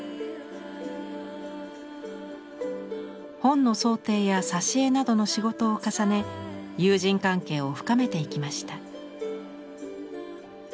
本の装丁や挿絵などの仕事を重ね友人関係を深めていきました。